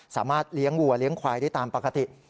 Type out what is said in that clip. สามารถเลี้ยงวัวเลี้ยงควายได้ตามปกติ